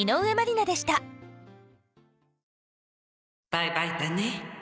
バイバイだね